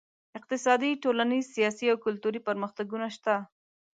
اقتصادي، ټولنیز، سیاسي او کلتوري پرمختګونه شته.